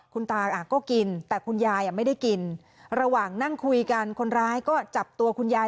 คุณตาก็กินแต่คุณยายไม่ได้กินระหว่างนั่งคุยกันคนร้ายก็จับตัวคุณยาย